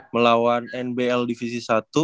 melawan nbl divisi satu